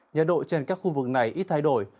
nhiệt độ trên các khu vực này ít thay đổi